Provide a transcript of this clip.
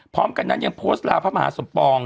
พร้อมกันนั้นยังโพสต์ลาพระมหาสมปอง